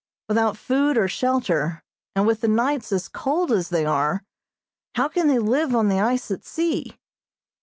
Without food or shelter, and with the nights as cold as they are, how can they live on the ice at sea?